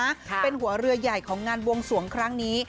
เป็นหัวเรือใหญ่ของงานบวงสวงครั้งนี้